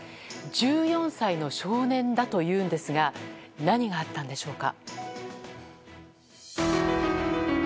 １４歳の少年だというんですが何があったんでしょうか。